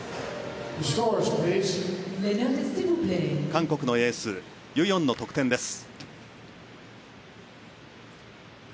韓国のエースユ・ヨンの得点です。